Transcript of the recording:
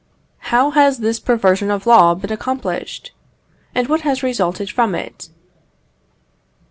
How has this perversion of law been accomplished? And what has resulted from it?